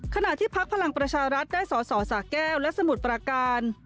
ขณะที่พักพลังประชารัฐได้สอสอสาแก้วและสมุทรปราการ